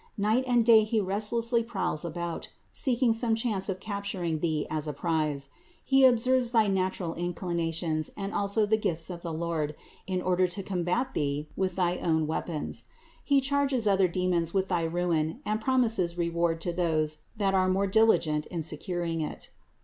Night and day he rest lessly prowls about seeking some chance of capturing thee as a prize. He observes thy natural inclinations and also the gifts of the Lord, in order to combat thee with thy own weapons. He charges other demons with thy ruin and promises reward to those that are more diligent in securing it.